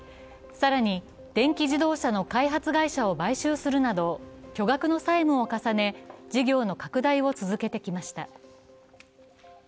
更に電気自動車の開発会社を買収するなど巨額の債務を重ね、事業の拡大を続けてきました。